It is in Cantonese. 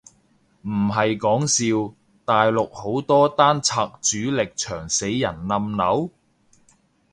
唔係講笑，大陸好多單拆主力牆死人冧樓？